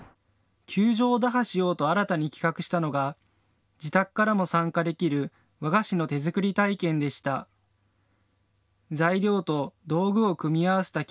窮状を打破しようと新たに企画したのが自宅からも参加できる和菓子の手作り体験でした。